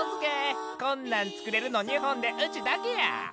こんなん作れるの日本でうちだけや。